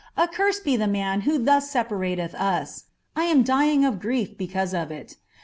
accursed be ihe man who thus eepa ntrih us ; I am dying of grief because of it.